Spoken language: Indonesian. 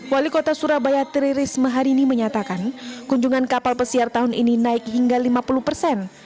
wali kota surabaya teriris maharini menyatakan kunjungan kapal pesiar tahun ini naik hingga lima puluh persen